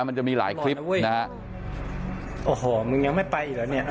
มันจะมีหลายคลิปนะโอ้โหมึงยังไม่ไปอีกแล้วเนี่ยเออ